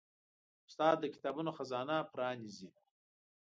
استاد د کتابونو خزانه پرانیزي.